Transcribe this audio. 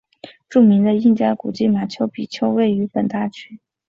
著名的印加古迹马丘比丘位于本大区。